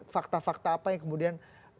fakta fakta apa yang kemudian